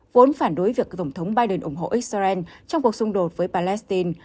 vốn phản đối việc tổng thống biden ủng hộ israel trong cuộc xung đột với palestine